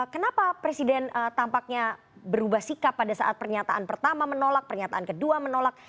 kenapa presiden tampaknya berubah sikap pada saat pernyataan pertama menolak pernyataan kedua menolak